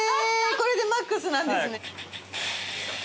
これでマックスなんですね。